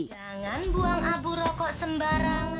jangan buang abu rokok sembarangan